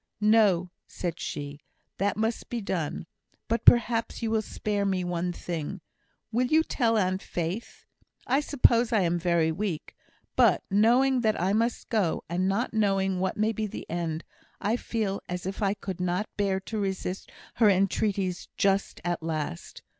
"No!" said she, "that must be done; but perhaps you will spare me one thing will you tell Aunt Faith? I suppose I am very weak, but, knowing that I must go, and not knowing what may be the end, I feel as if I could not bear to resist her entreaties just at last.